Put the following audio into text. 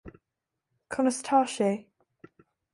Conas atá sé